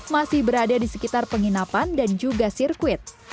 masih berada di sekitar penginapan dan juga sirkuit